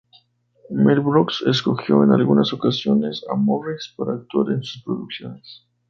Mel Brooks escogió en algunas ocasiones a Morris para actuar en sus producciones.